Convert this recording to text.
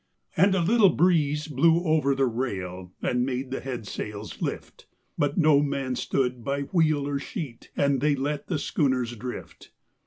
And a little breeze blew over the rail that made the headsails lift, But no man stood by wheel or sheet, and they let the schooners drift.